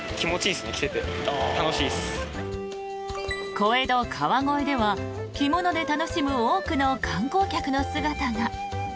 小江戸・川越では着物で楽しむ多くの観光客の姿が。